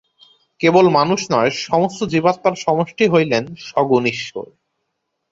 কেবল মানুষ নয়, সমস্ত জীবাত্মার সমষ্টিই হইলেন সগুণ ঈশ্বর।